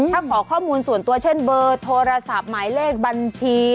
ถ้าขอข้อมูลส่วนตัวเช่นเบอร์โทรศัพท์หมายเลขบัญชี